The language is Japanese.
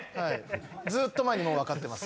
ずーっと前にもう分かってます。